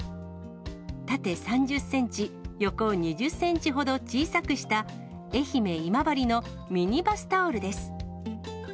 縦３０センチ、横２０センチほど小さくした、愛媛・今治のミニバスタオルです。